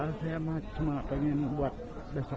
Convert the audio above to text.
rasa yang cuma pengen buat besok makan